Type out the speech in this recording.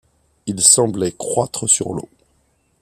Il semblait croître sur l’eau.